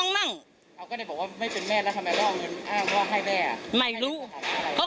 ไม่ให้หรอกอ้าง